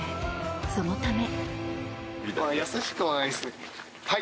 そのため。